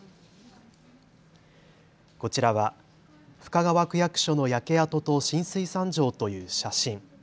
こちらは深川区役所の焼跡と浸水惨状という写真。